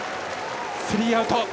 スリーアウト。